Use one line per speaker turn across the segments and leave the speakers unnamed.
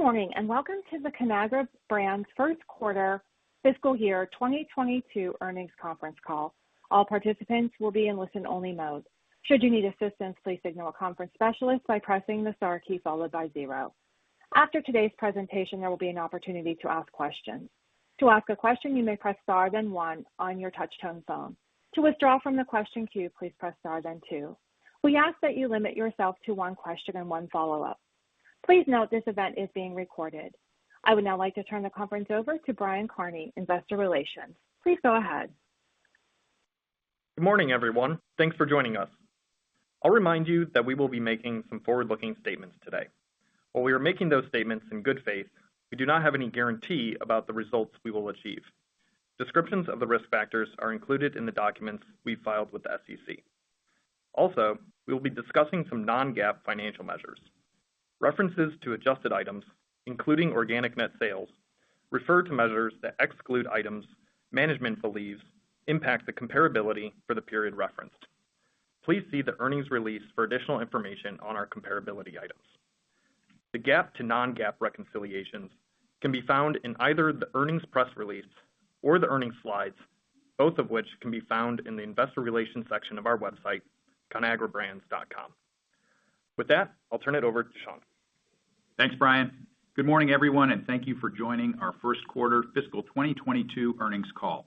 Good morning, welcome to the Conagra Brands first quarter fiscal year 2022 earnings conference call. All participants will be in listen only mode. Should you need assistance, please signal a conference specialist by pressing the star key followed by zero. After today's presentation, there will be an opportunity to ask questions. To ask a question, you may press star then one on your touch-tone phone. To withdraw from the question queue, please press star then two. We ask that you limit yourself to one question and one follow-up. Please note this event is being recorded. I would now like to turn the conference over to Brian Kearney, Investor Relations. Please go ahead.
Good morning, everyone. Thanks for joining us. I'll remind you that we will be making some forward-looking statements today. While we are making those statements in good faith, we do not have any guarantee about the results we will achieve. Descriptions of the risk factors are included in the documents we filed with the SEC. Also, we will be discussing some non-GAAP financial measures. References to adjusted items, including organic net sales, refer to measures that exclude items management believes impact the comparability for the period referenced. Please see the earnings release for additional information on our comparability items. The GAAP to non-GAAP reconciliations can be found in either the earnings press release or the earnings slides, both of which can be found in the investor relations section of our website, conagrabrands.com. With that, I'll turn it over to Sean.
Thanks, Brian. Good morning, everyone, and thank you for joining our first quarter fiscal 2022 earnings call.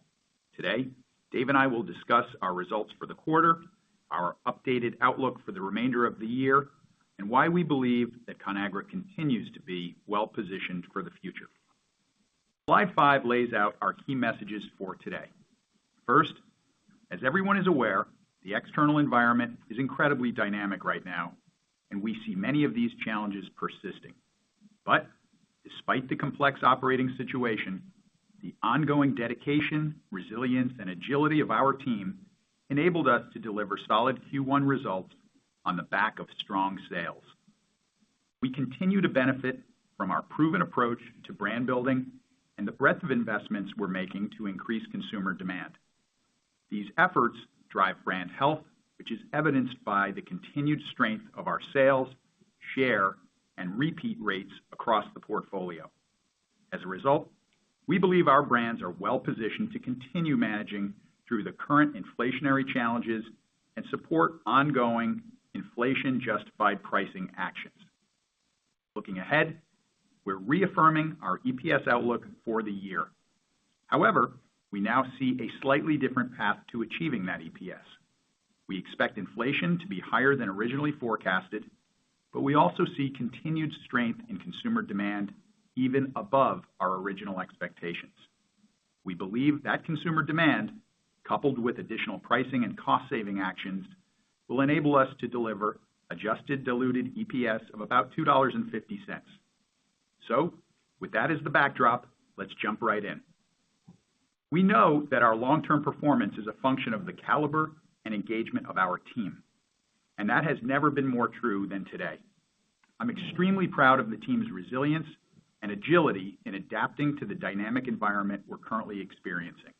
Today, Dave and I will discuss our results for the quarter, our updated outlook for the remainder of the year, and why we believe that Conagra continues to be well-positioned for the future. Slide five lays out our key messages for today. First, as everyone is aware, the external environment is incredibly dynamic right now, and we see many of these challenges persisting. Despite the complex operating situation, the ongoing dedication, resilience, and agility of our team enabled us to deliver solid Q1 results on the back of strong sales. We continue to benefit from our proven approach to brand building and the breadth of investments we're making to increase consumer demand. These efforts drive brand health, which is evidenced by the continued strength of our sales, share, and repeat rates across the portfolio. We believe our brands are well-positioned to continue managing through the current inflationary challenges and support ongoing inflation-justified pricing actions. Looking ahead, we're reaffirming our EPS outlook for the year. We now see a slightly different path to achieving that EPS. We expect inflation to be higher than originally forecasted, but we also see continued strength in consumer demand even above our original expectations. We believe that consumer demand, coupled with additional pricing and cost-saving actions, will enable us to deliver adjusted diluted EPS of about $2.50. With that as the backdrop, let's jump right in. We know that our long-term performance is a function of the caliber and engagement of our team, and that has never been more true than today. I'm extremely proud of the team's resilience and agility in adapting to the dynamic environment we're currently experiencing.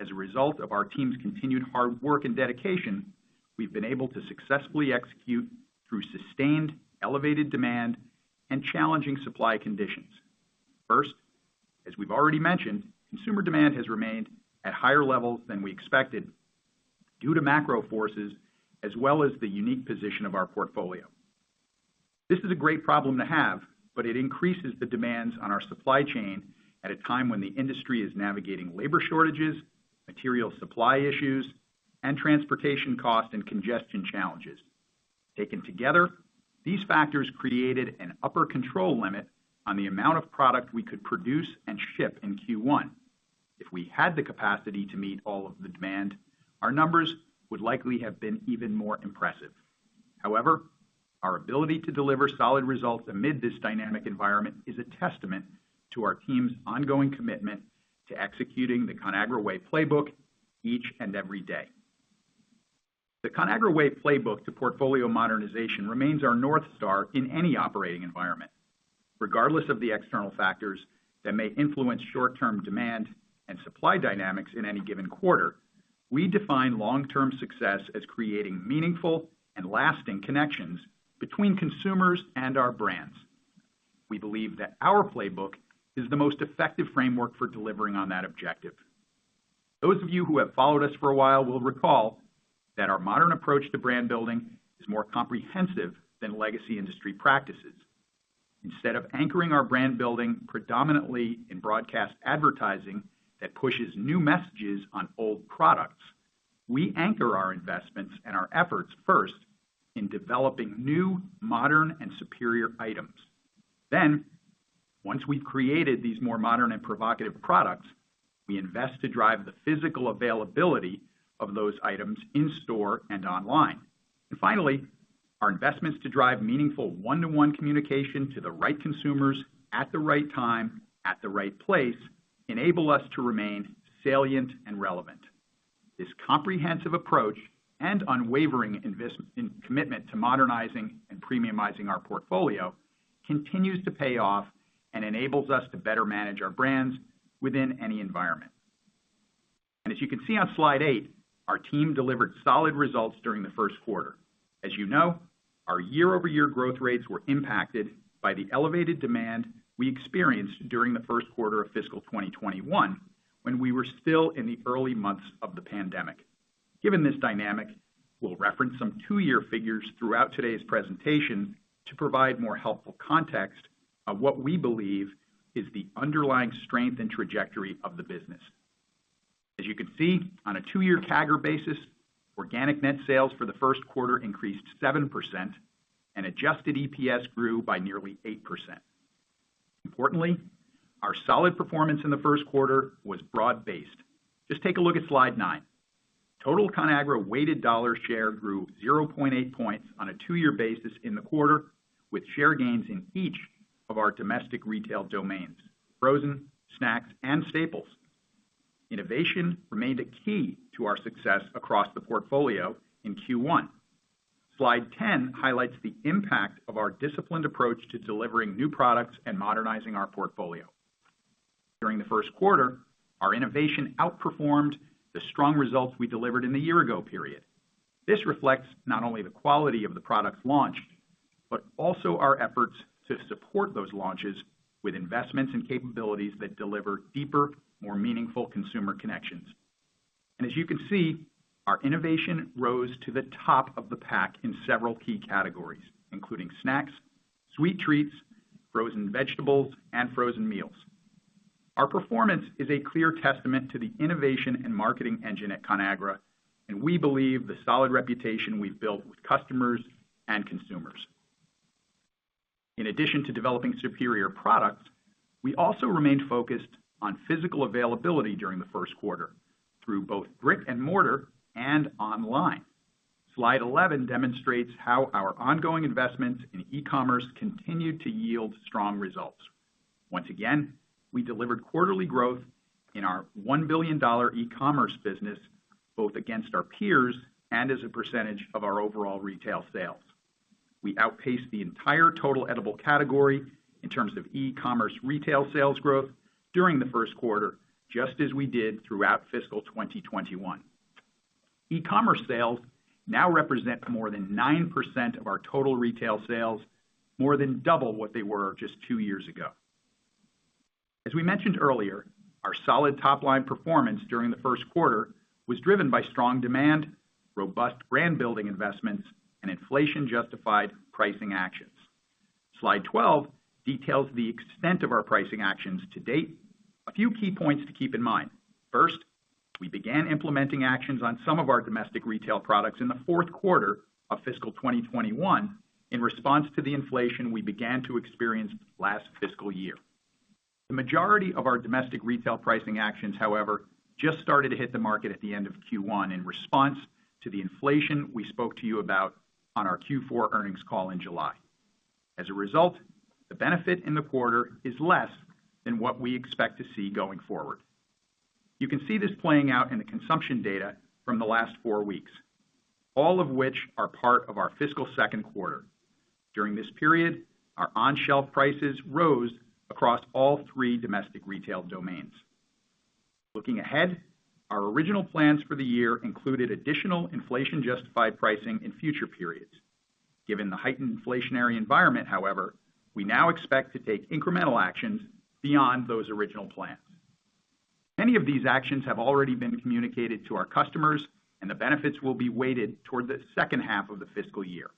As a result of our team's continued hard work and dedication, we've been able to successfully execute through sustained elevated demand and challenging supply conditions. First, as we've already mentioned, consumer demand has remained at higher levels than we expected, due to macro forces as well as the unique position of our portfolio. It increases the demands on our supply chain at a time when the industry is navigating labor shortages, material supply issues, and transportation cost and congestion challenges. Taken together, these factors created an upper control limit on the amount of product we could produce and ship in Q1. If we had the capacity to meet all of the demand, our numbers would likely have been even more impressive. Our ability to deliver solid results amid this dynamic environment is a testament to our team's ongoing commitment to executing The Conagra Way playbook each and every day. The Conagra Way playbook to portfolio modernization remains our North Star in any operating environment. Regardless of the external factors that may influence short-term demand and supply dynamics in any given quarter, we define long-term success as creating meaningful and lasting connections between consumers and our brands. We believe that our playbook is the most effective framework for delivering on that objective. Those of you who have followed us for a while will recall that our modern approach to brand building is more comprehensive than legacy industry practices. Instead of anchoring our brand building predominantly in broadcast advertising that pushes new messages on old products, we anchor our investments and our efforts first in developing new, modern, and superior items. Once we've created these more modern and provocative products, we invest to drive the physical availability of those items in store and online. Finally, our investments to drive meaningful one-to-one communication to the right consumers at the right time, at the right place, enable us to remain salient and relevant. This comprehensive approach and unwavering commitment to modernizing and premiumizing our portfolio continues to pay off and enables us to better manage our brands within any environment. As you can see on slide eight, our team delivered solid results during the first quarter. As you know, our year-over-year growth rates were impacted by the elevated demand we experienced during the first quarter of fiscal 2021, when we were still in the early months of the pandemic. Given this dynamic, we'll reference some two-year figures throughout today's presentation to provide more helpful context of what we believe is the underlying strength and trajectory of the business. As you can see, on a two-year CAGR basis, organic net sales for the first quarter increased 7%, and adjusted EPS grew by nearly 8%. Importantly, our solid performance in the first quarter was broad-based. Just take a look at slide nine. Total Conagra weighted dollar share grew 0.8 points on a two-year basis in the quarter, with share gains in each of our domestic retail domains, frozen, snacks, and staples. Innovation remained a key to our success across the portfolio in Q1. Slide 10 highlights the impact of our disciplined approach to delivering new products and modernizing our portfolio. During the first quarter, our innovation outperformed the strong results we delivered in the year ago period. This reflects not only the quality of the products launched, but also our efforts to support those launches with investments and capabilities that deliver deeper, more meaningful consumer connections. As you can see, our innovation rose to the top of the pack in several key categories, including snacks, sweet treats, frozen vegetables, and frozen meals. Our performance is a clear testament to the innovation and marketing engine at Conagra, and we believe the solid reputation we've built with customers and consumers. In addition to developing superior products, we also remained focused on physical availability during the first quarter through both brick and mortar and online. Slide 11 demonstrates how our ongoing investments in e-commerce continued to yield strong results. Once again, we delivered quarterly growth in our $1 billion e-commerce business, both against our peers and as a percentage of our overall retail sales. We outpaced the entire total edible category in terms of e-commerce retail sales growth during the first quarter, just as we did throughout fiscal 2021. E-commerce sales now represent more than 9% of our total retail sales, more than double what they were just two years ago. As we mentioned earlier, our solid top-line performance during the first quarter was driven by strong demand, robust brand-building investments, and inflation-justified pricing actions. Slide 12 details the extent of our pricing actions to date. A few key points to keep in mind. First, we began implementing actions on some of our domestic retail products in the fourth quarter of fiscal 2021 in response to the inflation we began to experience last fiscal year. The majority of our domestic retail pricing actions, however, just started to hit the market at the end of Q1 in response to the inflation we spoke to you about on our Q4 earnings call in July. The benefit in the quarter is less than what we expect to see going forward. You can see this playing out in the consumption data from the last four weeks, all of which are part of our fiscal second quarter. During this period, our on-shelf prices rose across all three domestic retail domains. Looking ahead, our original plans for the year included additional inflation-justified pricing in future periods. Given the heightened inflationary environment, however, we now expect to take incremental actions beyond those original plans. Many of these actions have already been communicated to our customers, and the benefits will be weighted towards the second half of the fiscal year.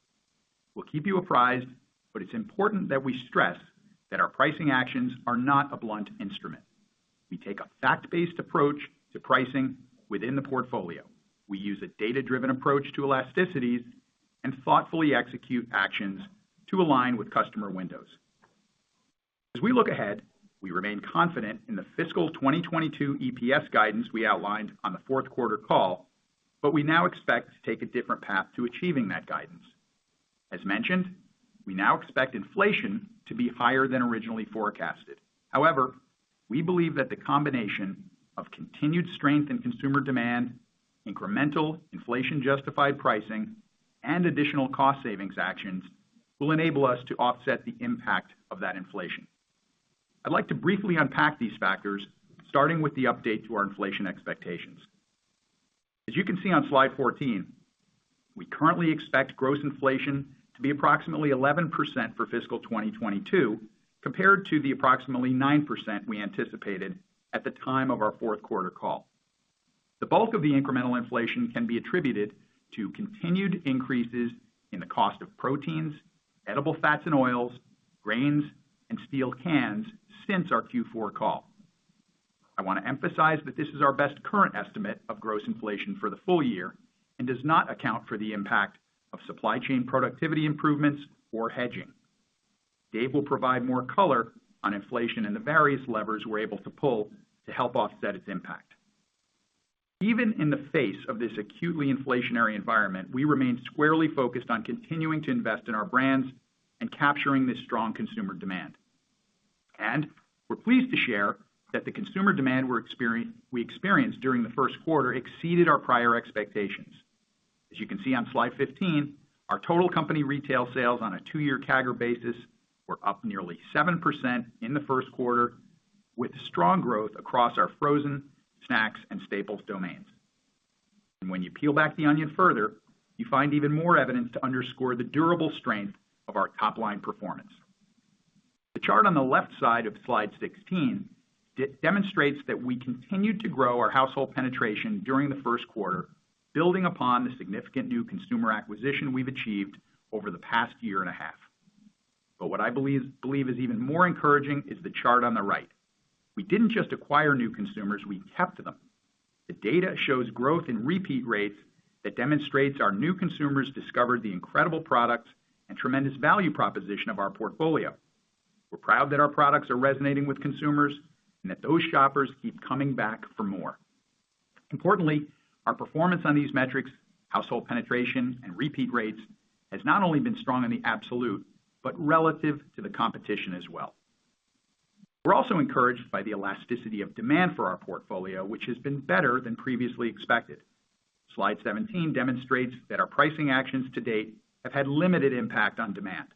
We'll keep you apprised, but it's important that we stress that our pricing actions are not a blunt instrument. We take a fact-based approach to pricing within the portfolio. We use a data-driven approach to elasticities and thoughtfully execute actions to align with customer windows. As we look ahead, we remain confident in the fiscal 2022 EPS guidance we outlined on the fourth quarter call, but we now expect to take a different path to achieving that guidance. As mentioned, we now expect inflation to be higher than originally forecasted. However, we believe that the combination of continued strength in consumer demand, incremental inflation-justified pricing, and additional cost savings actions will enable us to offset the impact of that inflation. I'd like to briefly unpack these factors, starting with the update to our inflation expectations. As you can see on slide 14, we currently expect gross inflation to be approximately 11% for fiscal 2022, compared to the approximately 9% we anticipated at the time of our fourth quarter call. The bulk of the incremental inflation can be attributed to continued increases in the cost of proteins, edible fats and oils, grains, and steel cans since our Q4 call. I want to emphasize that this is our best current estimate of gross inflation for the full year and does not account for the impact of supply chain productivity improvements or hedging. Dave will provide more color on inflation and the various levers we're able to pull to help offset its impact. Even in the face of this acutely inflationary environment, we remain squarely focused on continuing to invest in our brands and capturing this strong consumer demand. We're pleased to share that the consumer demand we experienced during the first quarter exceeded our prior expectations. As you can see on slide 15, our total company retail sales on a two-year CAGR basis were up nearly 7% in the first quarter, with strong growth across our frozen, snacks, and staples domains. When you peel back the onion further, you find even more evidence to underscore the durable strength of our top-line performance. The chart on the left side of slide 16 demonstrates that we continued to grow our household penetration during the first quarter, building upon the significant new consumer acquisition we've achieved over the past year and a half. What I believe is even more encouraging is the chart on the right. We didn't just acquire new consumers, we kept them. The data shows growth in repeat rates that demonstrates our new consumers discovered the incredible product and tremendous value proposition of our portfolio. We're proud that our products are resonating with consumers and that those shoppers keep coming back for more. Importantly, our performance on these metrics, household penetration and repeat rates, has not only been strong in the absolute but relative to the competition as well. We're also encouraged by the elasticity of demand for our portfolio, which has been better than previously expected. Slide 17 demonstrates that our pricing actions to date have had limited impact on demand.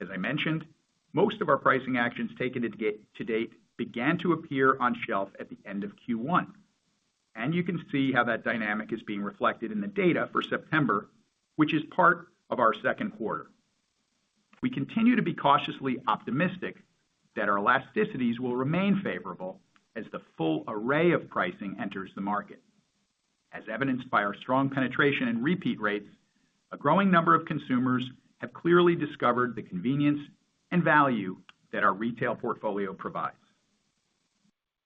As I mentioned, most of our pricing actions taken to date began to appear on shelf at the end of Q1. You can see how that dynamic is being reflected in the data for September, which is part of our second quarter. We continue to be cautiously optimistic that our elasticities will remain favorable as the full array of pricing enters the market. As evidenced by our strong penetration and repeat rates, a growing number of consumers have clearly discovered the convenience and value that our retail portfolio provides.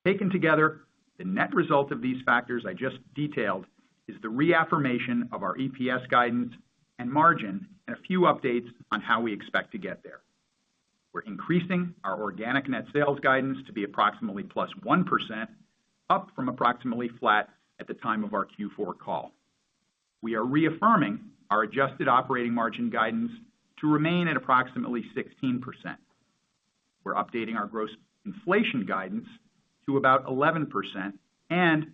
Taken together, the net result of these factors I just detailed is the reaffirmation of our EPS guidance and margin, and a few updates on how we expect to get there. We're increasing our organic net sales guidance to be approximately +1%, up from approximately flat at the time of our Q4 call. We are reaffirming our adjusted operating margin guidance to remain at approximately 16%. We're updating our gross inflation guidance to about 11%, and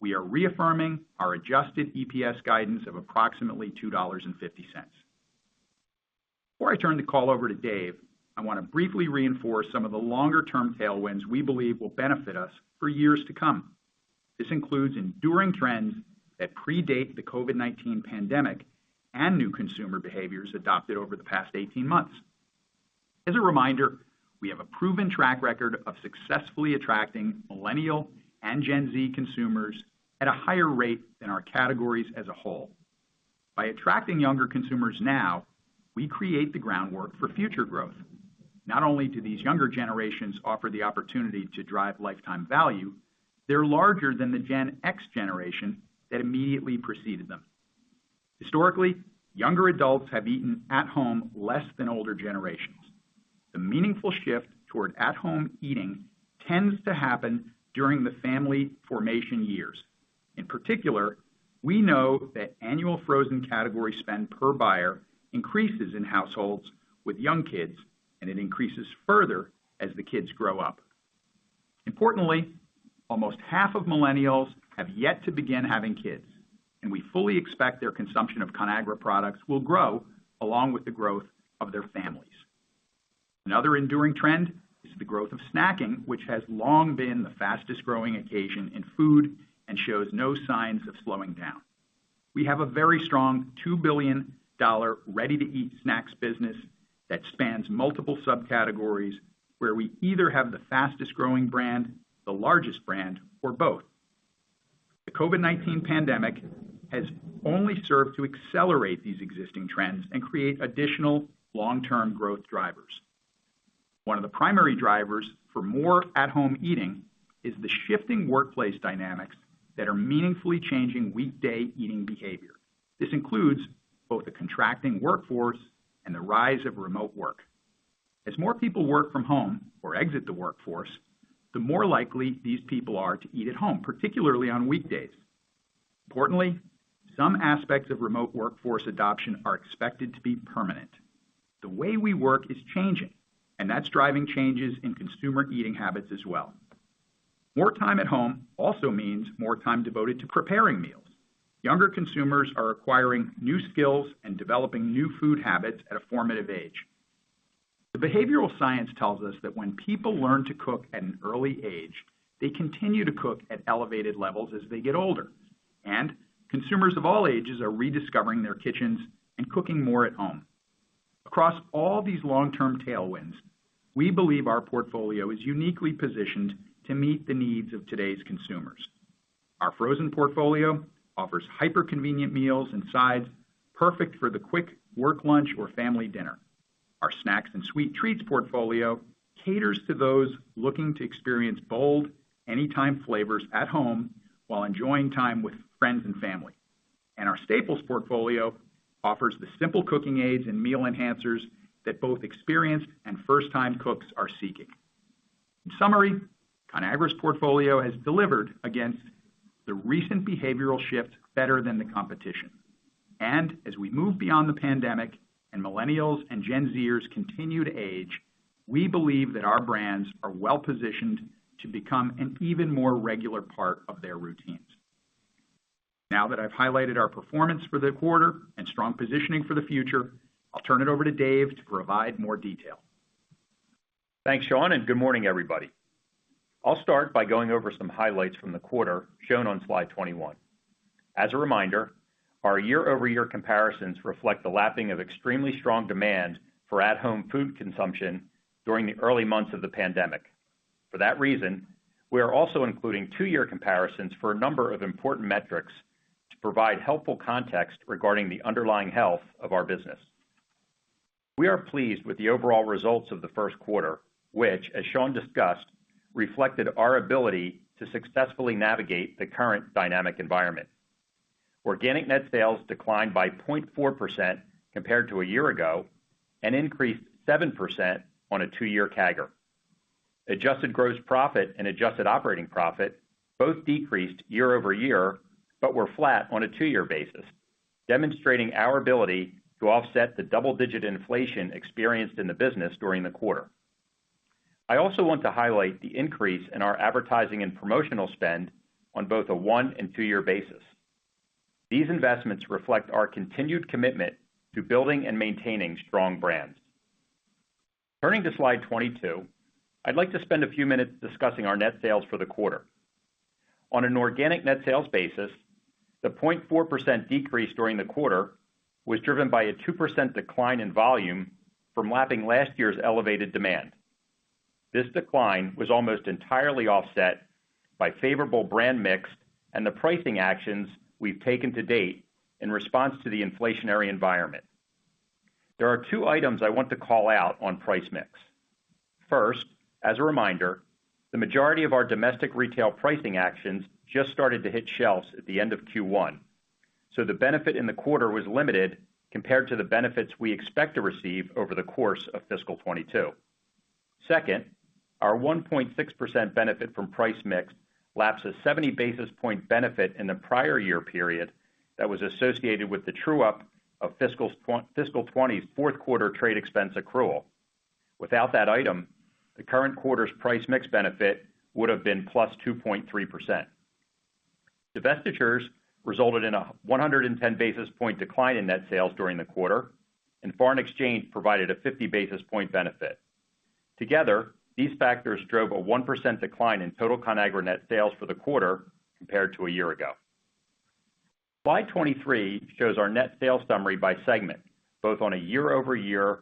we are reaffirming our adjusted EPS guidance of approximately $2.50. Before I turn the call over to Dave, I want to briefly reinforce some of the longer-term tailwinds we believe will benefit us for years to come. This includes enduring trends that predate the COVID-19 pandemic and new consumer behaviors adopted over the past 18 months. As a reminder, we have a proven track record of successfully attracting millennial and Gen Z consumers at a higher rate than our categories as a whole. By attracting younger consumers now, we create the groundwork for future growth. Not only do these younger generations offer the opportunity to drive lifetime value, they're larger than the Gen X generation that immediately preceded them. Historically, younger adults have eaten at home less than older generations. The meaningful shift toward at-home eating tends to happen during the family formation years. In particular, we know that annual frozen category spend per buyer increases in households with young kids, and it increases further as the kids grow up. Importantly, almost half of millennials have yet to begin having kids, and we fully expect their consumption of Conagra products will grow along with the growth of their families. Another enduring trend is the growth of snacking, which has long been the fastest-growing occasion in food and shows no signs of slowing down. We have a very strong $2 billion ready-to-eat snacks business that spans multiple subcategories, where we either have the fastest-growing brand, the largest brand, or both. The COVID-19 pandemic has only served to accelerate these existing trends and create additional long-term growth drivers. One of the primary drivers for more at-home eating is the shifting workplace dynamics that are meaningfully changing weekday eating behavior. This includes both the contracting workforce and the rise of remote work. As more people work from home or exit the workforce, the more likely these people are to eat at home, particularly on weekdays. Importantly, some aspects of remote workforce adoption are expected to be permanent. The way we work is changing, and that's driving changes in consumer eating habits as well. More time at home also means more time devoted to preparing meals. Younger consumers are acquiring new skills and developing new food habits at a formative age. The behavioral science tells us that when people learn to cook at an early age, they continue to cook at elevated levels as they get older, and consumers of all ages are rediscovering their kitchens and cooking more at home. Across all these long-term tailwinds, we believe our portfolio is uniquely positioned to meet the needs of today's consumers. Our frozen portfolio offers hyper-convenient meals and sides perfect for the quick work lunch or family dinner. Our snacks and sweet treats portfolio caters to those looking to experience bold, anytime flavors at home while enjoying time with friends and family. Our staples portfolio offers the simple cooking aids and meal enhancers that both experienced and first-time cooks are seeking. In summary, Conagra's portfolio has delivered against the recent behavioral shift better than the competition. As we move beyond the pandemic and millennials and Gen Z continue to age, we believe that our brands are well-positioned to become an even more regular part of their routines. Now that I've highlighted our performance for the quarter and strong positioning for the future, I'll turn it over to Dave to provide more detail.
Thanks, Sean. Good morning, everybody. I'll start by going over some highlights from the quarter shown on slide 21. As a reminder, our year-over-year comparisons reflect the lapping of extremely strong demand for at-home food consumption during the early months of the pandemic. For that reason, we are also including two-year comparisons for a number of important metrics to provide helpful context regarding the underlying health of our business. We are pleased with the overall results of the first quarter, which, as Sean discussed, reflected our ability to successfully navigate the current dynamic environment. Organic net sales declined by 0.4% compared to a year ago and increased 7% on a two-year CAGR. Adjusted gross profit and adjusted operating profit both decreased year-over-year but were flat on a two-year basis, demonstrating our ability to offset the double-digit inflation experienced in the business during the quarter. I also want to highlight the increase in our advertising and promotional spend on both a one- and two-year basis. These investments reflect our continued commitment to building and maintaining strong brands. Turning to slide 22, I'd like to spend a few minutes discussing our net sales for the quarter. On an organic net sales basis, the 0.4% decrease during the quarter was driven by a 2% decline in volume from lapping last year's elevated demand. This decline was almost entirely offset by favorable brand mix and the pricing actions we've taken to date in response to the inflationary environment. There are two items I want to call out on price mix. First, as a reminder, the majority of our domestic retail pricing actions just started to hit shelves at the end of Q1, so the benefit in the quarter was limited compared to the benefits we expect to receive over the course of fiscal 2022. Second, our 1.6% benefit from price mix lapses 70 basis point benefit in the prior year period that was associated with the true up of fiscal 2020 fourth quarter trade expense accrual. Without that item, the current quarter's price mix benefit would have been +2.3%. Divestitures resulted in a 110 basis point decline in net sales during the quarter, and foreign exchange provided a 50 basis point benefit. Together, these factors drove a 1% decline in total Conagra net sales for the quarter compared to a year ago. Slide 23 shows our net sales summary by segment, both on a year-over-year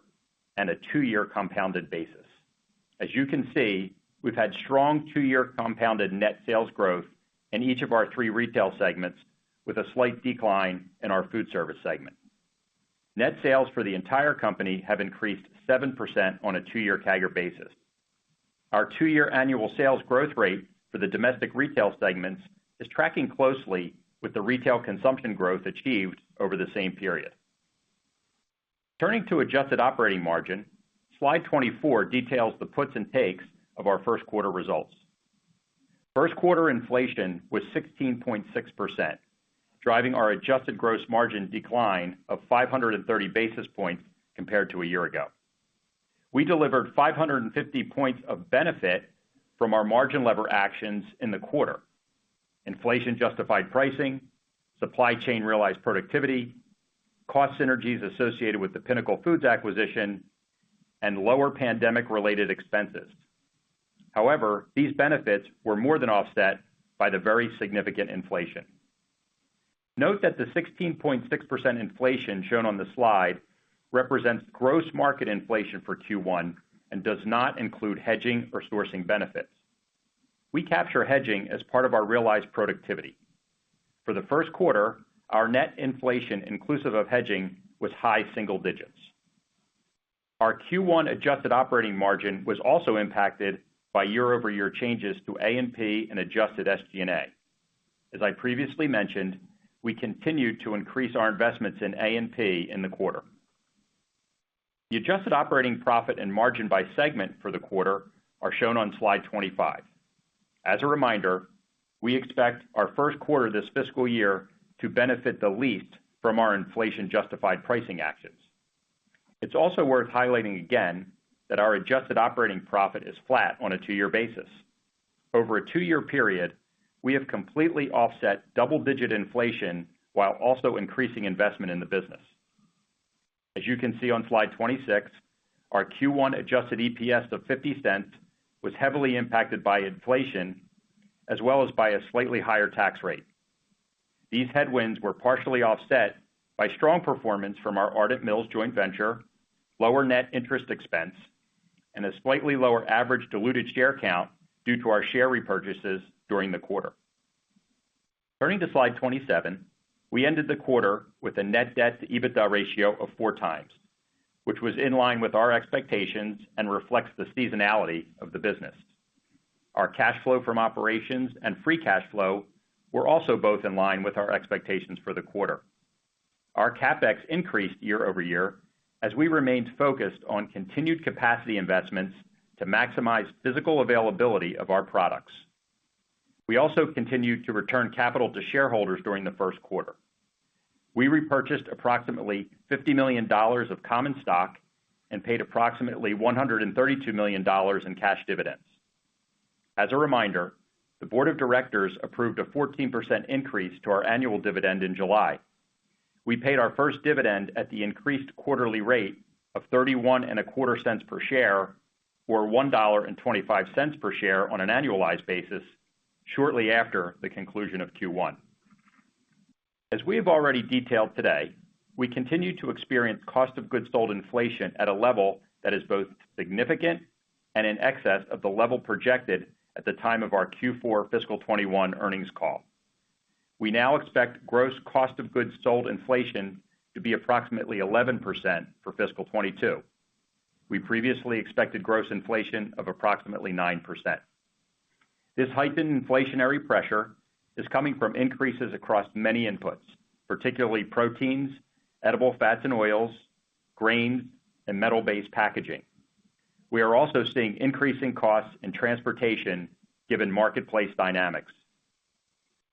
and a two-year compounded basis. As you can see, we've had strong two-year compounded net sales growth in each of our three retail segments with a slight decline in our food service segment. Net sales for the entire company have increased 7% on a two-year CAGR basis. Our two-year annual sales growth rate for the domestic retail segments is tracking closely with the retail consumption growth achieved over the same period. Turning to adjusted operating margin, slide 24 details the puts and takes of our first quarter results. First quarter inflation was 16.6%, driving our adjusted gross margin decline of 530 basis points compared to a year ago. We delivered 550 points of benefit from our margin lever actions in the quarter. Inflation justified pricing, supply chain realized productivity, cost synergies associated with the Pinnacle Foods acquisition, and lower pandemic related expenses. However, these benefits were more than offset by the very significant inflation. Note that the 16.6% inflation shown on the slide represents gross market inflation for Q1 and does not include hedging or sourcing benefits. We capture hedging as part of our realized productivity. For the first quarter, our net inflation inclusive of hedging was high single digits. Our Q1 adjusted operating margin was also impacted by year-over-year changes to A&P and adjusted SG&A. As I previously mentioned, we continued to increase our investments in A&P in the quarter. The adjusted operating profit and margin by segment for the quarter are shown on slide 25. As a reminder, we expect our first quarter this fiscal year to benefit the least from our inflation justified pricing actions. It's also worth highlighting again that our adjusted operating profit is flat on a two-year basis. Over a two-year period, we have completely offset double-digit inflation while also increasing investment in the business. As you can see on slide 26, our Q1 adjusted EPS of $0.50 was heavily impacted by inflation as well as by a slightly higher tax rate. These headwinds were partially offset by strong performance from our Ardent Mills joint venture, lower net interest expense, and a slightly lower average diluted share count due to our share repurchases during the quarter. Turning to slide 27, we ended the quarter with a net debt to EBITDA ratio of four times, which was in line with our expectations and reflects the seasonality of the business. Our cash flow from operations and free cash flow were also both in line with our expectations for the quarter. Our CapEx increased year-over-year as we remained focused on continued capacity investments to maximize physical availability of our products. We also continued to return capital to shareholders during the first quarter. We repurchased approximately $50 million of common stock and paid approximately $132 million in cash dividends. As a reminder, the board of directors approved a 14% increase to our annual dividend in July. We paid our first dividend at the increased quarterly rate of $0.3125 per share or $1.25 per share on an annualized basis shortly after the conclusion of Q1. As we have already detailed today, we continue to experience cost of goods sold inflation at a level that is both significant and in excess of the level projected at the time of our Q4 fiscal 2021 earnings call. We now expect gross cost of goods sold inflation to be approximately 11% for fiscal 2022. We previously expected gross inflation of approximately 9%. This heightened inflationary pressure is coming from increases across many inputs, particularly proteins, edible fats and oils, grains, and metal-based packaging. We are also seeing increasing costs in transportation given marketplace dynamics.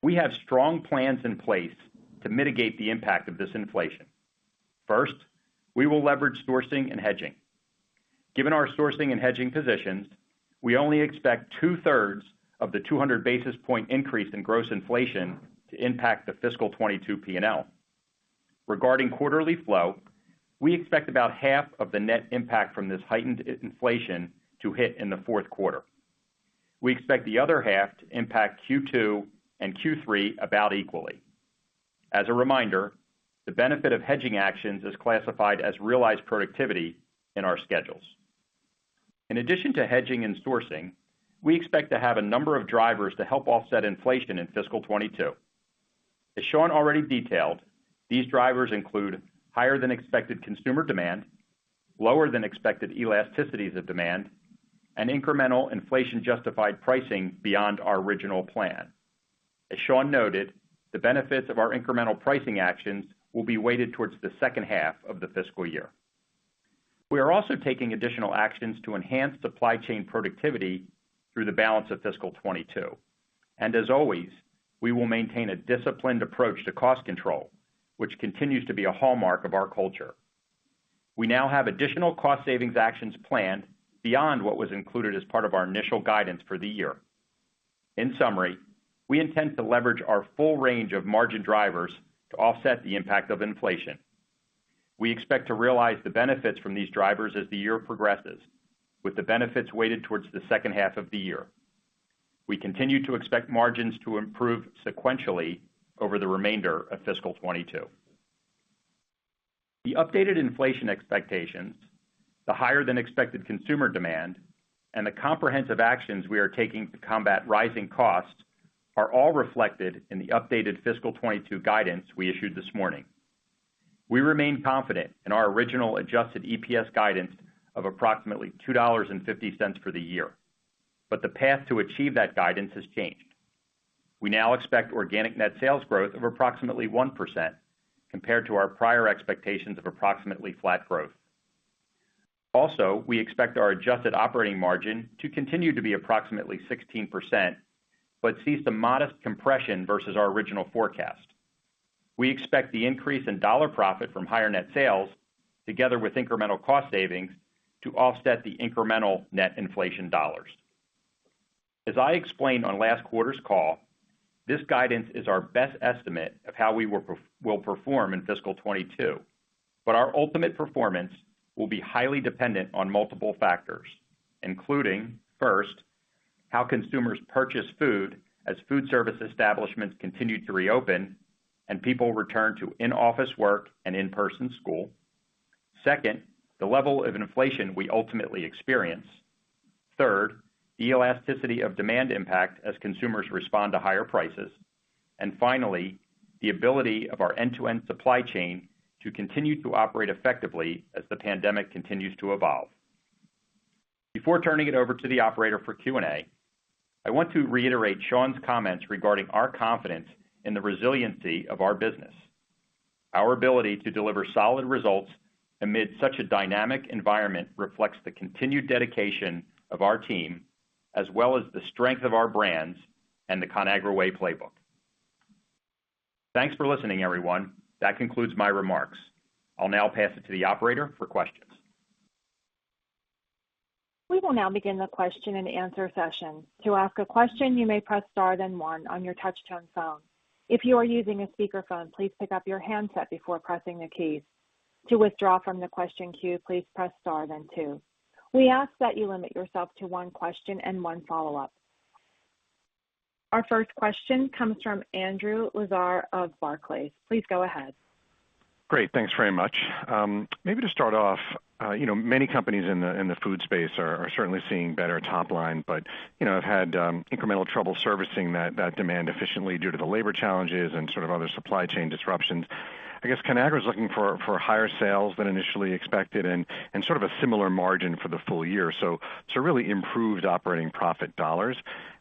We have strong plans in place to mitigate the impact of this inflation. First, we will leverage sourcing and hedging. Given our sourcing and hedging positions, we only expect two-thirds of the 200 basis point increase in gross inflation to impact the fiscal 2022 P&L. Regarding quarterly flow, we expect about half of the net impact from this heightened inflation to hit in the fourth quarter. We expect the other half to impact Q2 and Q3 about equally. As a reminder, the benefit of hedging actions is classified as realized productivity in our schedules. In addition to hedging and sourcing, we expect to have a number of drivers to help offset inflation in fiscal 2022. As Sean already detailed, these drivers include higher than expected consumer demand, lower than expected elasticities of demand, and incremental inflation justified pricing beyond our original plan. As Sean noted, the benefits of our incremental pricing actions will be weighted towards the second half of the fiscal year. We are also taking additional actions to enhance supply chain productivity through the balance of fiscal 2022. As always, we will maintain a disciplined approach to cost control, which continues to be a hallmark of our culture. We now have additional cost savings actions planned beyond what was included as part of our initial guidance for the year. In summary, we intend to leverage our full range of margin drivers to offset the impact of inflation. We expect to realize the benefits from these drivers as the year progresses, with the benefits weighted towards the second half of the year. We continue to expect margins to improve sequentially over the remainder of fiscal 2022. The updated inflation expectations, the higher than expected consumer demand, and the comprehensive actions we are taking to combat rising costs are all reflected in the updated fiscal 2022 guidance we issued this morning. We remain confident in our original adjusted EPS guidance of approximately $2.50 for the year, but the path to achieve that guidance has changed. We now expect organic net sales growth of approximately 1% compared to our prior expectations of approximately flat growth. We expect our adjusted operating margin to continue to be approximately 16%, but sees some modest compression versus our original forecast. We expect the increase in dollar profit from higher net sales together with incremental cost savings to offset the incremental net inflation dollars. As I explained on last quarter's call, this guidance is our best estimate of how we will perform in fiscal 2022, but our ultimate performance will be highly dependent on multiple factors, including, first, how consumers purchase food as food service establishments continue to reopen and people return to in-office work and in-person school. Second, the level of inflation we ultimately experience. Third, elasticity of demand impact as consumers respond to higher prices. Finally, the ability of our end-to-end supply chain to continue to operate effectively as the pandemic continues to evolve. Before turning it over to the operator for Q&A, I want to reiterate Sean's comments regarding our confidence in the resiliency of our business. Our ability to deliver solid results amid such a dynamic environment reflects the continued dedication of our team, as well as the strength of our brands and The Conagra Way playbook. Thanks for listening, everyone. That concludes my remarks. I'll now pass it to the operator for questions.
We will now begin the question and answer session. To ask a question, you may press star, then one on your touchtone phone. If you are using a speakerphone, please pick up your handset before pressing the keys. To withdraw from the question queue, please press star, then two. We ask that you limit yourself to one question and one follow-up. Our first question comes from Andrew Lazar of Barclays. Please go ahead.
Great. Thanks very much. Maybe to start off, many companies in the food space are certainly seeing better top line, but have had incremental trouble servicing that demand efficiently due to the labor challenges and sort of other supply chain disruptions. I guess Conagra's looking for higher sales than initially expected and sort of a similar margin for the full year, so really improved operating profit dollars.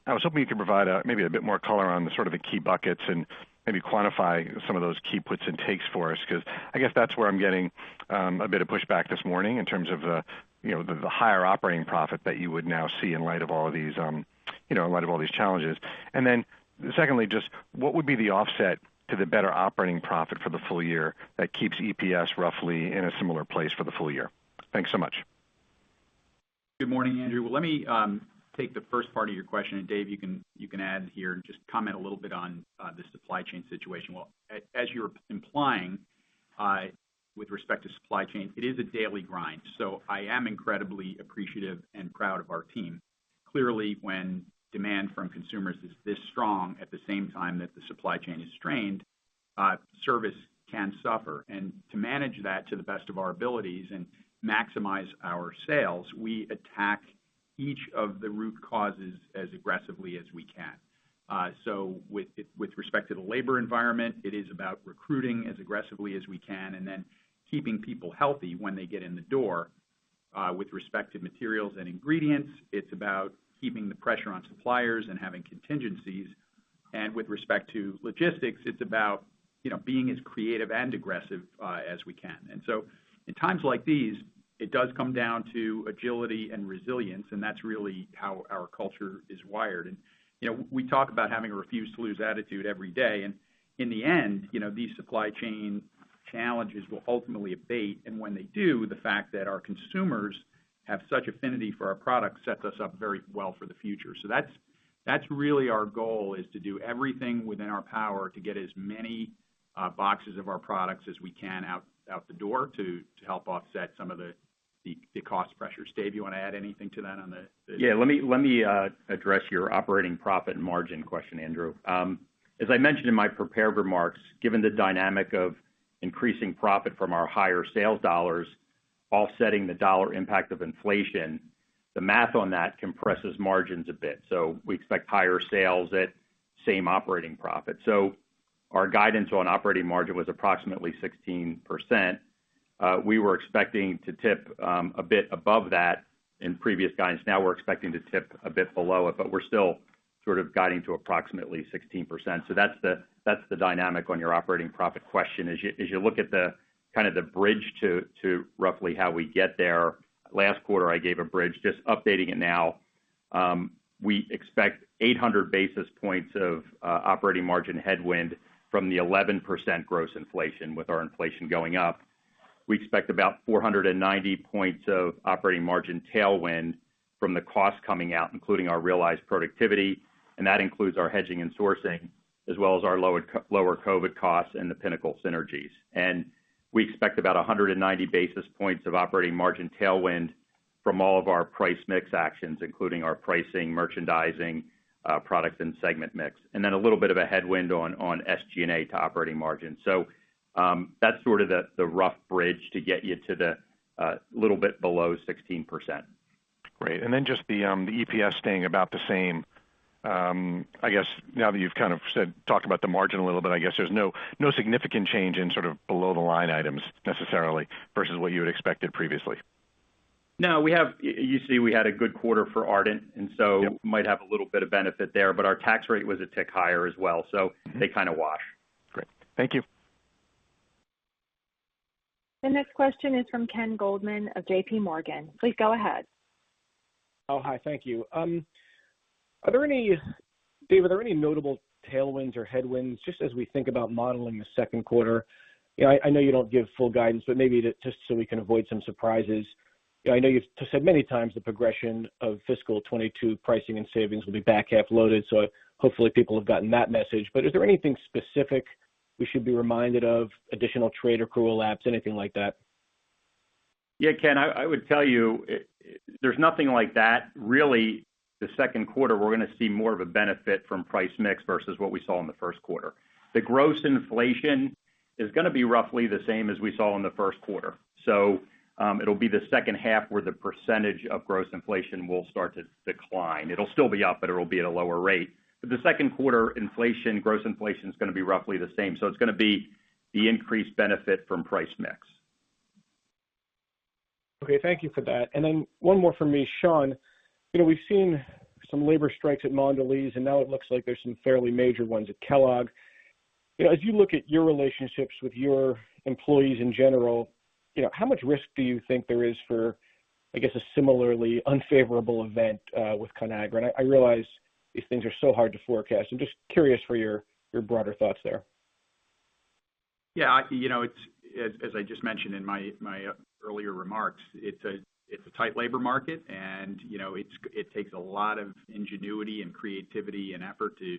I was hoping you could provide maybe a bit more color on the sort of the key buckets and maybe quantify some of those key puts and takes for us, because I guess that's where I'm getting a bit of pushback this morning in terms of the higher operating profit that you would now see in light of all of these challenges. Secondly, just what would be the offset to the better operating profit for the full year that keeps EPS roughly in a similar place for the full year? Thanks so much.
Good morning, Andrew. Let me take the first part of your question, and Dave, you can add here and just comment a little bit on the supply chain situation. As you're implying, with respect to supply chain, it is a daily grind. I am incredibly appreciative and proud of our team. Clearly, when demand from consumers is this strong at the same time that the supply chain is strained, service can suffer. To manage that to the best of our abilities and maximize our sales, we attack each of the root causes as aggressively as we can. With respect to the labor environment, it is about recruiting as aggressively as we can and then keeping people healthy when they get in the door. With respect to materials and ingredients, it's about keeping the pressure on suppliers and having contingencies. With respect to logistics, it's about being as creative and aggressive as we can. In times like these, it does come down to agility and resilience, and that's really how our culture is wired. We talk about having a refuse to lose attitude every day, and in the end, these supply chain challenges will ultimately abate. When they do, the fact that our consumers have such affinity for our product sets us up very well for the future. That's really our goal, is to do everything within our power to get as many boxes of our products as we can out the door to help offset some of the cost pressures. Dave, you want to add anything to that on the?
Yeah. Let me address your operating profit margin question, Andrew. As I mentioned in my prepared remarks, given the dynamic of increasing profit from our higher sales dollars offsetting the dollar impact of inflation, the math on that compresses margins a bit. We expect higher sales at same operating profit. Our guidance on operating margin was approximately 16%. We were expecting to tip a bit above that in previous guidance. We're expecting to tip a bit below it, but we're still sort of guiding to approximately 16%. That's the dynamic on your operating profit question. As you look at the bridge to roughly how we get there, last quarter, I gave a bridge, just updating it now. We expect 800 basis points of operating margin headwind from the 11% gross inflation, with our inflation going up. We expect about 490 points of operating margin tailwind from the cost coming out, including our realized productivity, and that includes our hedging and sourcing, as well as our lower COVID costs and the Pinnacle Foods synergies. We expect about 190 basis points of operating margin tailwind from all of our price mix actions, including our pricing, merchandising, product, and segment mix. Then a little bit of a headwind on SG&A to operating margin. That's sort of the rough bridge to get you to the little bit below 16%.
Great. Just the EPS staying about the same. I guess now that you've kind of talked about the margin a little bit, I guess there's no significant change in sort of below-the-line items necessarily versus what you had expected previously.
No. You see, we had a good quarter for Ardent, and so might have a little bit of benefit there, but our tax rate was a tick higher as well, so they kind of wash.
Great. Thank you.
The next question is from Ken Goldman of J.P. Morgan. Please go ahead.
Hi. Thank you. Are there any notable tailwinds or headwinds, just as we think about modeling the second quarter? I know you don't give full guidance, maybe just so we can avoid some surprises. I know you've said many times the progression of fiscal 2022 pricing and savings will be back half loaded, hopefully people have gotten that message. Is there anything specific we should be reminded of, additional trade accrual A&P, anything like that?
Yeah, Ken, I would tell you, there's nothing like that. Really, the second quarter, we're going to see more of a benefit from price mix versus what we saw in the first quarter. The gross inflation is going to be roughly the same as we saw in the first quarter. It'll be the second half where the percentage of gross inflation will start to decline. It'll still be up. It'll be at a lower rate. The second quarter inflation, gross inflation, is going to be roughly the same. It's going to be the increased benefit from price mix.
Okay. Thank you for that. Then one more from me. Sean, we've seen some labor strikes at Mondelez, and now it looks like there's some fairly major ones at Kellogg. As you look at your relationships with your employees in general, how much risk do you think there is for, I guess, a similarly unfavorable event with Conagra? I realize these things are so hard to forecast. I'm just curious for your broader thoughts there.
As I just mentioned in my earlier remarks, it's a tight labor market, and it takes a lot of ingenuity and creativity and effort to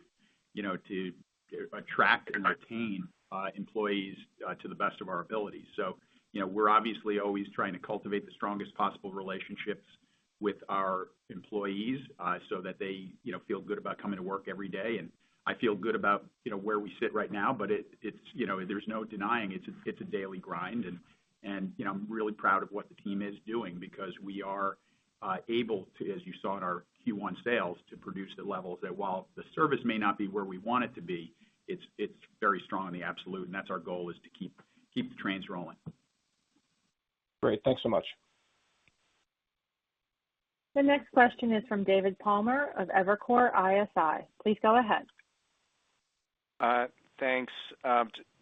attract and retain employees to the best of our ability. We're obviously always trying to cultivate the strongest possible relationships with our employees so that they feel good about coming to work every day. I feel good about where we sit right now, but there's no denying it's a daily grind, and I'm really proud of what the team is doing because we are able to, as you saw in our Q1 sales, to produce the levels that while the service may not be where we want it to be, it's very strong in the absolute, and that's our goal, is to keep the trains rolling.
Great. Thanks so much.
The next question is from David Palmer of Evercore ISI. Please go ahead.
Thanks.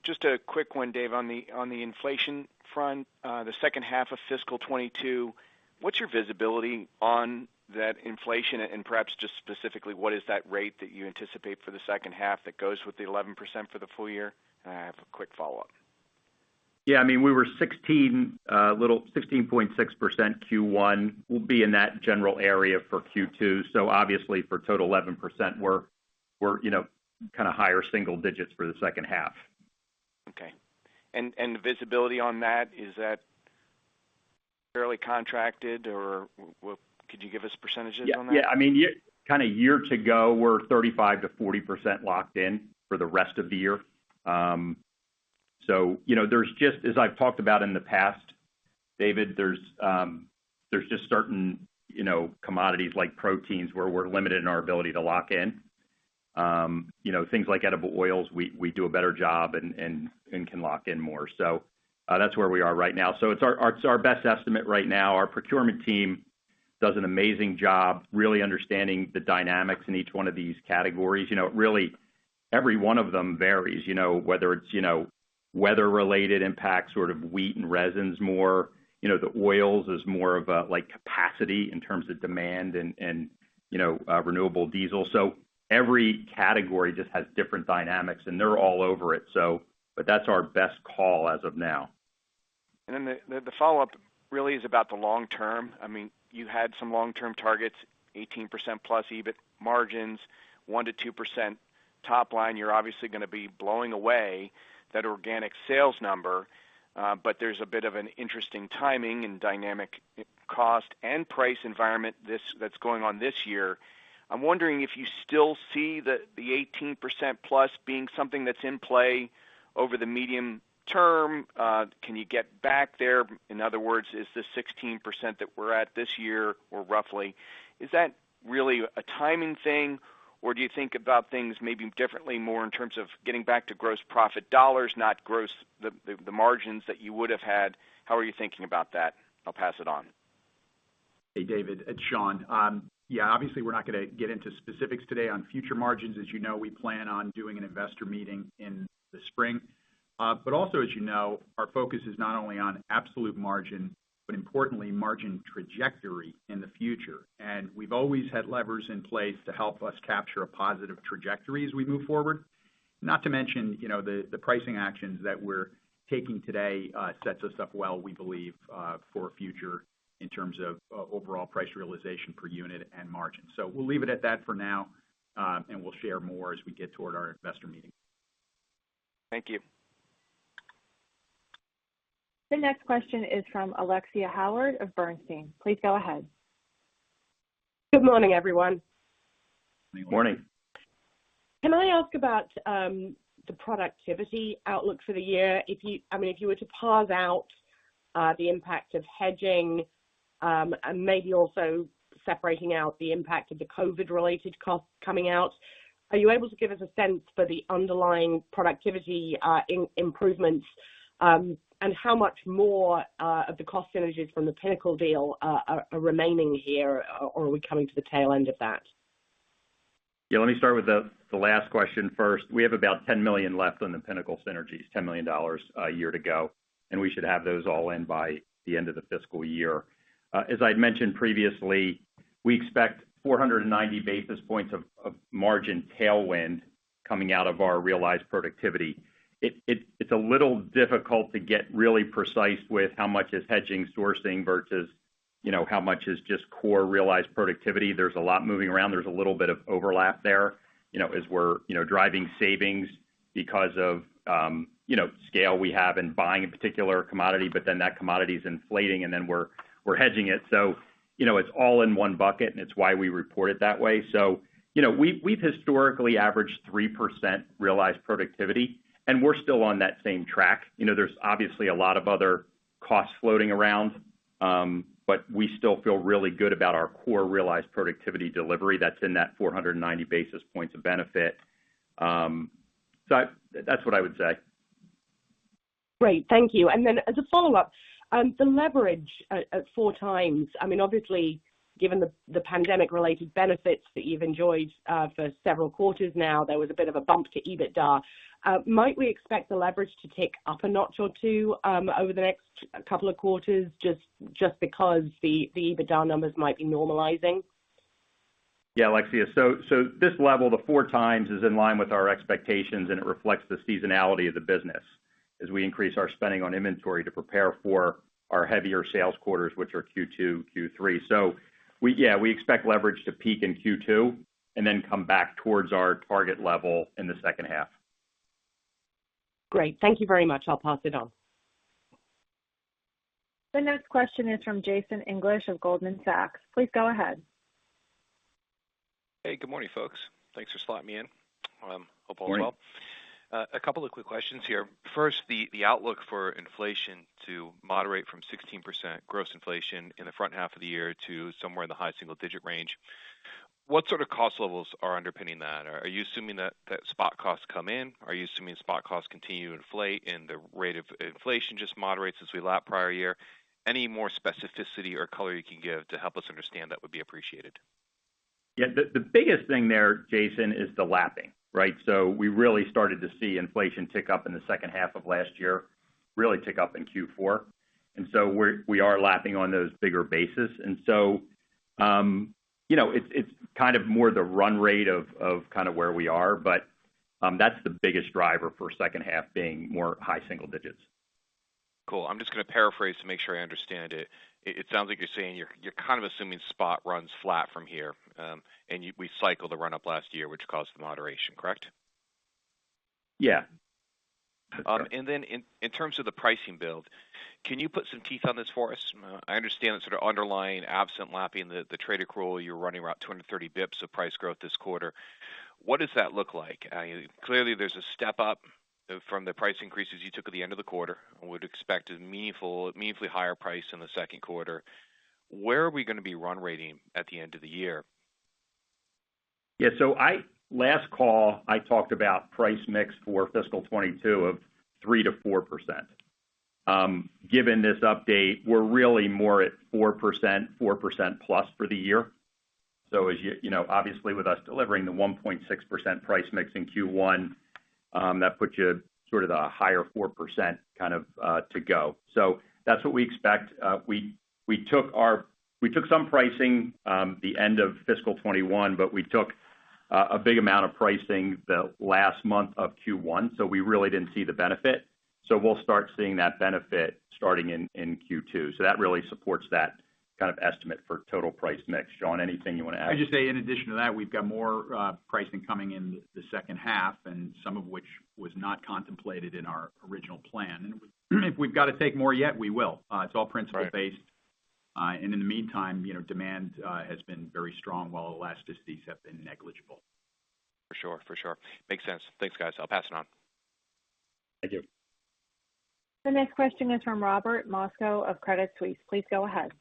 Just a quick one, Dave, on the inflation front, the second half of fiscal 2022, what's your visibility on that inflation? Perhaps just specifically, what is that rate that you anticipate for the second half that goes with the 11% for the full year? I have a quick follow-up.
Yeah, we were 16.6% Q1. We'll be in that general area for Q2. Obviously for total 11%, we're higher single digits for the second half.
Okay. The visibility on that, is that fairly contracted or could you give us percentages on that?
Year to go, we're 35%-40% locked in for the rest of the year. As I've talked about in the past, David, there's just certain commodities like proteins where we're limited in our ability to lock in. Things like edible oils, we do a better job and can lock in more. That's where we are right now. It's our best estimate right now. Our procurement team does an amazing job really understanding the dynamics in each one of these categories. Every one of them varies, whether it's weather-related impacts, sort of wheat and resins more. The oils is more of a capacity in terms of demand and renewable diesel. Every category just has different dynamics, and they're all over it. That's our best call as of now.
The follow-up really is about the long term. You had some long-term targets, 18%+ EBIT margins, 1%-2% top line. You're obviously going to be blowing away that organic sales number. There's a bit of an interesting timing and dynamic cost and price environment that's going on this year. I'm wondering if you still see the 18%+ being something that's in play over the medium term. Can you get back there? In other words, is this 16% that we're at this year, or roughly, is that really a timing thing, or do you think about things maybe differently, more in terms of getting back to gross profit dollars, not the margins that you would have had? How are you thinking about that? I'll pass it on.
Hey, David. It's Sean. Obviously, we're not going to get into specifics today on future margins. As you know, we plan on doing an investor meeting in the spring. Also, as you know, our focus is not only on absolute margin, but importantly, margin trajectory in the future. We've always had levers in place to help us capture a positive trajectory as we move forward. Not to mention, the pricing actions that we're taking today sets us up well, we believe, for future in terms of overall price realization per unit and margin. We'll leave it at that for now, and we'll share more as we get toward our investor meeting.
Thank you.
The next question is from Alexia Howard of Bernstein. Please go ahead.
Good morning, everyone.
Good morning.
Can I ask about the productivity outlook for the year? If you were to parse out the impact of hedging, and maybe also separating out the impact of the COVID-related costs coming out, are you able to give us a sense for the underlying productivity improvements? How much more of the cost synergies from the Pinnacle deal are remaining here, or are we coming to the tail end of that?
Yeah, let me start with the last question first. We have about $10 million left on the Pinnacle synergies, $10 million a year to go, and we should have those all in by the end of the fiscal year. As I'd mentioned previously, we expect 490 basis points of margin tailwind coming out of our realized productivity. It's a little difficult to get really precise with how much is hedging sourcing versus how much is just core realized productivity. There's a lot moving around. There's a little bit of overlap there as we're driving savings because of scale we have in buying a particular commodity, but then that commodity is inflating, and then we're hedging it. It's all in one bucket, and it's why we report it that way. We've historically averaged 3% realized productivity, and we're still on that same track. There's obviously a lot of other costs floating around, but we still feel really good about our core realized productivity delivery that's in that 490 basis points of benefit. That's what I would say.
Great. Thank you. As a follow-up, the leverage at four times. Obviously, given the pandemic-related benefits that you've enjoyed for several quarters now, there was a bit of a bump to EBITDA. Might we expect the leverage to tick up a notch or two over the next couple of quarters, just because the EBITDA numbers might be normalizing?
Yeah, Alexia. This level, the four times is in line with our expectations, and it reflects the seasonality of the business as we increase our spending on inventory to prepare for our heavier sales quarters, which are Q2, Q3. Yeah, we expect leverage to peak in Q2 and then come back towards our target level in the second half.
Great. Thank you very much. I'll pass it on.
The next question is from Jason English of Goldman Sachs. Please go ahead.
Hey, good morning, folks. Thanks for slotting me in.
Good morning.
Hope all well. A couple of quick questions here. First, the outlook for inflation to moderate from 16% gross inflation in the front half of the year to somewhere in the high single-digit range. What sort of cost levels are underpinning that? Are you assuming that spot costs come in? Are you assuming spot costs continue to inflate and the rate of inflation just moderates as we lap prior year? Any more specificity or color you can give to help us understand that would be appreciated.
Yeah. The biggest thing there, Jason, is the lapping. Right? We really started to see inflation tick up in the second half of last year, really tick up in Q4. We are lapping on those bigger bases. It's kind of more the run rate of where we are, but that's the biggest driver for second half being more high single digits.
Cool. I'm just going to paraphrase to make sure I understand it. It sounds like you're saying you're kind of assuming spot runs flat from here, and we cycle the run-up last year, which caused the moderation, correct?
Yeah.
In terms of the pricing build, can you put some teeth on this for us? I understand that sort of underlying absent lapping the trade accrual, you're running around 230 bips of price growth this quarter. What does that look like? Clearly there's a step up from the price increases you took at the end of the quarter. I would expect a meaningfully higher price in the second quarter. Where are we going to be run rating at the end of the year?
Yeah. Last call, I talked about price mix for fiscal 2022 of 3%-4%. Given this update, we're really more at 4%, 4%+ for the year. Obviously, with us delivering the 1.6% price mix in Q1, that puts you sort of the higher 4% kind of to go. That's what we expect. We took some pricing the end of fiscal 2021, but we took a big amount of pricing the last month of Q1, so we really didn't see the benefit. We'll start seeing that benefit starting in Q2. That really supports that kind of estimate for total price mix. Sean, anything you want to add?
I'd just say in addition to that, we've got more pricing coming in the second half, and some of which was not contemplated in our original plan. If we've got to take more yet, we will. It's all principle-based.
Right.
In the meantime, demand has been very strong while elasticities have been negligible.
For sure. Makes sense. Thanks, guys. I'll pass it on.
Thank you.
The next question is from Robert Moskow of Credit Suisse. Please go ahead.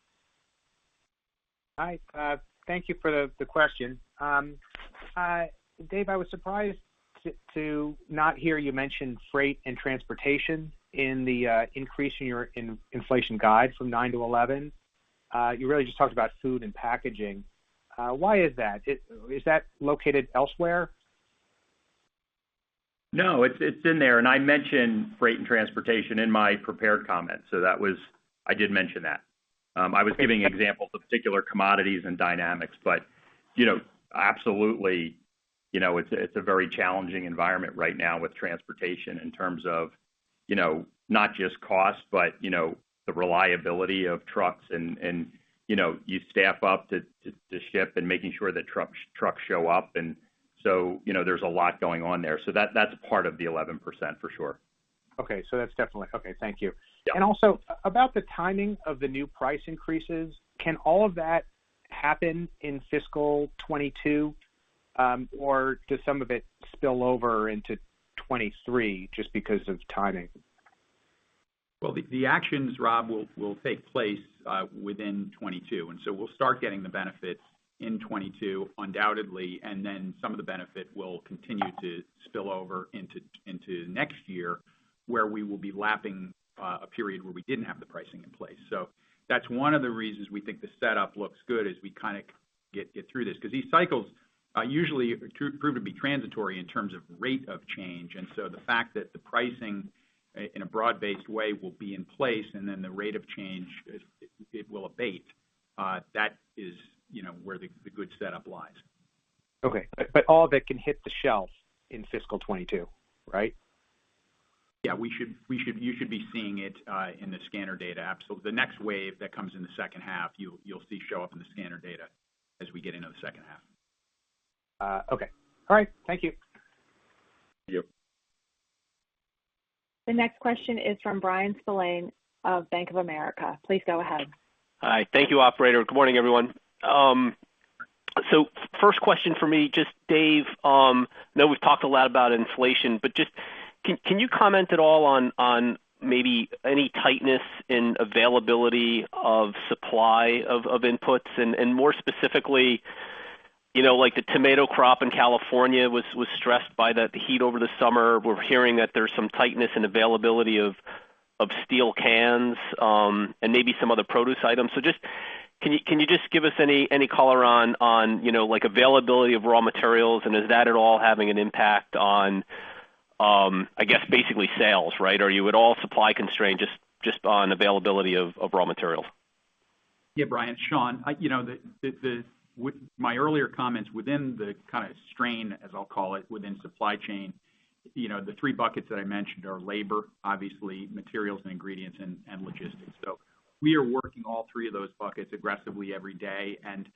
Hi. Thank you for the question. Dave, I was surprised to not hear you mention freight and transportation in the increase in your inflation guide from nine to 11. You really just talked about food and packaging. Why is that? Is that located elsewhere?
No, it's in there. I mentioned freight and transportation in my prepared comments. I did mention that. I was giving examples of particular commodities and dynamics, absolutely, it's a very challenging environment right now with transportation in terms of not just cost, but the reliability of trucks and you staff up to ship and making sure that trucks show up. There's a lot going on there. That's part of the 11% for sure.
Okay. That's okay, thank you.
Yeah.
Also, about the timing of the new price increases, can all of that happen in fiscal 2022? Or does some of it spill over into 2023 just because of timing?
Well, the actions, Rob, will take place within 2022, we'll start getting the benefits in 2022 undoubtedly, and then some of the benefit will continue to spill over into next year, where we will be lapping a period where we didn't have the pricing in place. That's one of the reasons we think the setup looks good as we kind of get through this, because these cycles usually prove to be transitory in terms of rate of change. The fact that the pricing in a broad-based way will be in place, the rate of change, it will abate. That is where the good setup lies.
Okay. All of it can hit the shelf in fiscal 2022, right?
Yeah, you should be seeing it in the scanner data. The next wave that comes in the second half, you'll see show up in the scanner data as we get into the second half.
Okay. All right. Thank you.
Thank you.
The next question is from Bryan Spillane of Bank of America. Please go ahead.
Hi. Thank you, operator. Good morning, everyone. First question for me, just Dave, know we've talked a lot about inflation, but just, can you comment at all on maybe any tightness in availability of supply of inputs, and more specifically, like the tomato crop in California was stressed by the heat over the summer. We're hearing that there's some tightness in availability of steel cans, and maybe some other produce items. Can you just give us any color on availability of raw materials, and is that at all having an impact on, I guess basically sales, right? Are you at all supply constrained just on availability of raw materials?
Bryan, Sean. With my earlier comments within the kind of strain, as I'll call it, within supply chain, the three buckets that I mentioned are labor, obviously, materials and ingredients and logistics. We are working all three of those buckets aggressively every day, and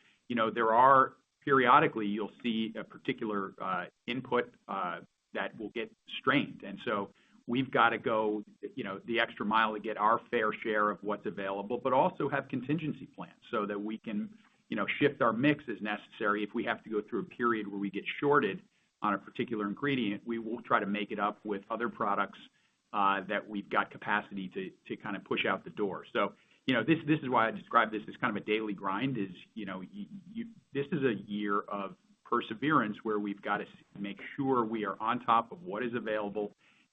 periodically, you'll see a particular input that will get strained. We've got to go the extra mile to get our fair share of what's available, but also have contingency plans so that we can shift our mix as necessary if we have to go through a period where we get shorted on a particular ingredient, we will try to make it up with other products that we've got capacity to kind of push out the door. This is why I describe this as kind of a daily grind is this is a year of perseverance where we've got to make sure we are on top of what is available,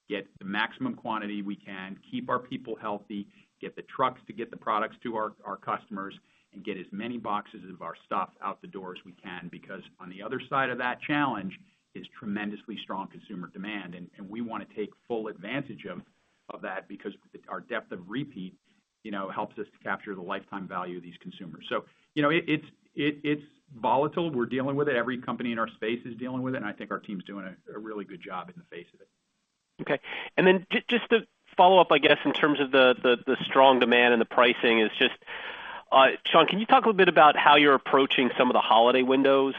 get the maximum quantity we can, keep our people healthy, get the trucks to get the products to our customers, and get as many boxes of our stuff out the door as we can, because on the other side of that challenge is tremendously strong consumer demand, and we want to take full advantage of that because our depth of repeat. Helps us to capture the lifetime value of these consumers. It's volatile. We're dealing with it. Every company in our space is dealing with it, and I think our team's doing a really good job in the face of it.
Okay. Just to follow up, I guess, in terms of the strong demand and the pricing is just, Sean, can you talk a little bit about how you're approaching some of the holiday windows?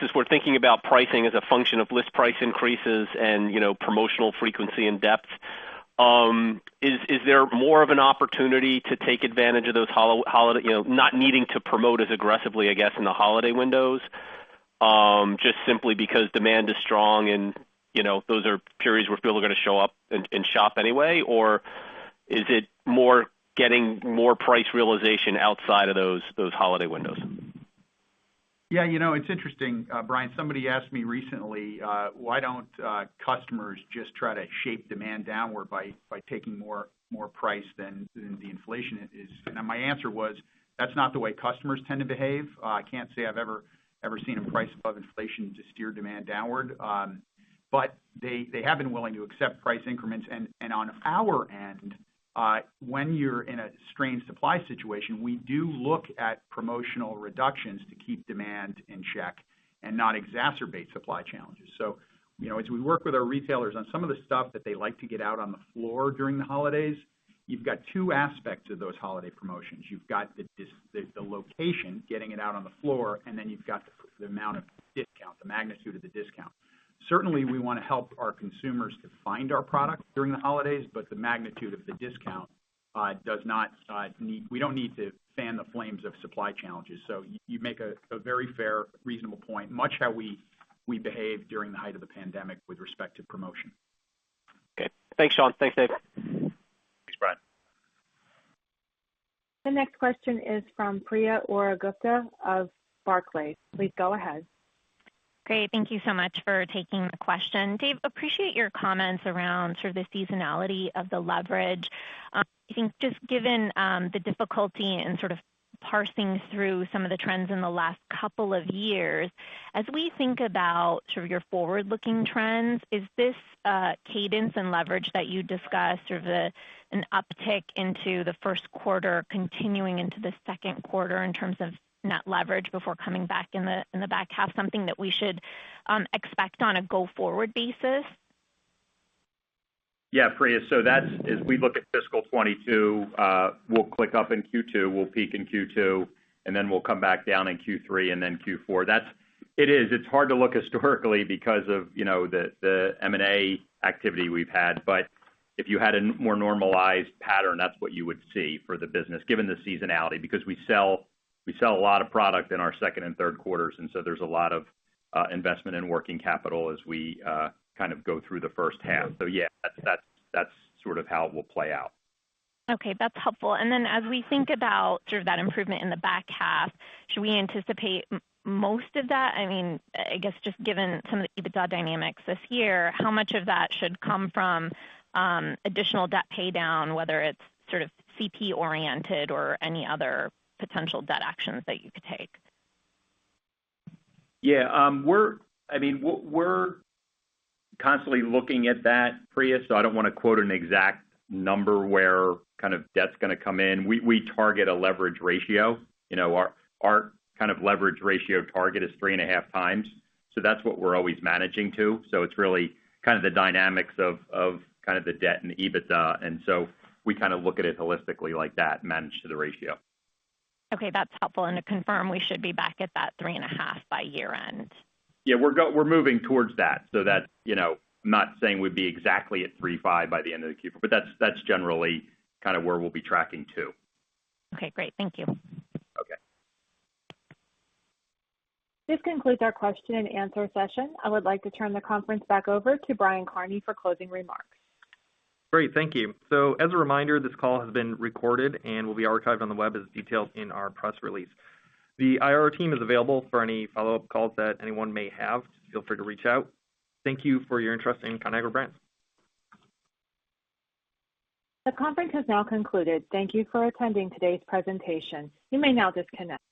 As we're thinking about pricing as a function of list price increases and promotional frequency and depth, is there more of an opportunity to take advantage of those not needing to promote as aggressively, I guess, in the holiday windows, just simply because demand is strong and those are periods where people are going to show up and shop anyway? Or is it getting more price realization outside of those holiday windows?
Yeah. It's interesting, Bryan. Somebody asked me recently, why don't customers just try to shape demand downward by taking more price than the inflation is? My answer was, that's not the way customers tend to behave. I can't say I've ever seen a price above inflation to steer demand downward. They have been willing to accept price increments. On our end, when you're in a strange supply situation, we do look at promotional reductions to keep demand in check and not exacerbate supply challenges. As we work with our retailers on some of the stuff that they like to get out on the floor during the holidays, you've got two aspects of those holiday promotions. You've got the location, getting it out on the floor, and then you've got the amount of discount, the magnitude of the discount.
Certainly, we want to help our consumers to find our product during the holidays, but the magnitude of the discount we don't need to fan the flames of supply challenges. You make a very fair, reasonable point, much how we behaved during the height of the pandemic with respect to promotion.
Okay. Thanks, Sean. Thanks, Dave.
Thanks, Bryan.
The next question is from Priya Ohri-Gupta of Barclays. Please go ahead.
Great. Thank you so much for taking the question. Dave, appreciate your comments around sort of the seasonality of the leverage. I think just given the difficulty in sort of parsing through some of the trends in the last couple of years, as we think about sort of your forward-looking trends, is this cadence and leverage that you discussed, sort of an uptick into the first quarter continuing into the second quarter in terms of net leverage before coming back in the back half, something that we should expect on a go-forward basis?
Yeah, Priya, that's as we look at fiscal 2022, we'll click up in Q2, we'll peak in Q2, and then we'll come back down in Q3 and then Q4. It is hard to look historically because of the M&A activity we've had. If you had a more normalized pattern, that's what you would see for the business, given the seasonality, because we sell a lot of product in our second and third quarters, and so there's a lot of investment in working capital as we kind of go through the first half. Yeah, that's sort of how it will play out.
Okay. That's helpful. As we think about sort of that improvement in the back half, should we anticipate most of that? I guess just given some of the EBITDA dynamics this year, how much of that should come from additional debt paydown, whether it's sort of CP oriented or any other potential debt actions that you could take?
Yeah. We're constantly looking at that, Priya, so I don't want to quote an exact number where kind of debt's going to come in. We target a leverage ratio. Our kind of leverage ratio target is 3.5 times. That's what we're always managing to. It's really kind of the dynamics of the debt and the EBITDA. We kind of look at it holistically like that, manage to the ratio.
Okay. That's helpful. To confirm, we should be back at that 3.5 by year end?
Yeah, we're moving towards that. Not saying we'd be exactly at 3.5 by the end of the Q4, but that's generally kind of where we'll be tracking to.
Okay, great. Thank you.
Okay.
This concludes our question and answer session. I would like to turn the conference back over to Brian Kearney for closing remarks.
Great. Thank you. As a reminder, this call has been recorded and will be archived on the web as detailed in our press release. The IR team is available for any follow-up calls that anyone may have. Feel free to reach out. Thank you for your interest in Conagra Brands.
The conference has now concluded. Thank you for attending today's presentation. You may now disconnect.